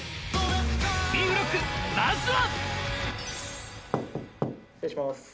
Ｂブロック、まずは。